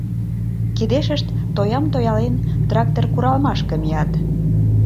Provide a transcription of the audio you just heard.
Кидешышт тоям тоялен, трактор куралмашке мият.